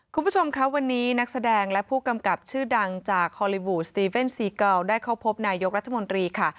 คุณผู้ชมคะวันนี้นักแสดงและผู้กำกับชื่อดังจากฮอลลีวูดสตีเว่นซีเกาได้เข้าพบนายกรัฐมนตรีค่ะ